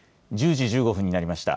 １０時１５分になりました。